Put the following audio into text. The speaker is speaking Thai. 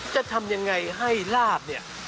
จะทำอย่างไรให้ราบนี่